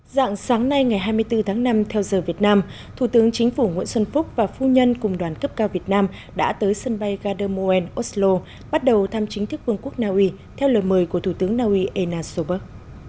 dạng sáng nay ngày hai mươi bốn tháng năm theo giờ việt nam thủ tướng chính phủ nguyễn xuân phúc và phu nhân cùng đoàn cấp cao việt nam đã tới sân bay gardermoen oslo bắt đầu thăm chính thức quân quốc naui theo lời mời của thủ tướng naui ena sobok